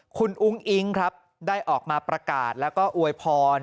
คุณอุ้งอิ๊งครับได้ออกมาประกาศแล้วก็อวยพร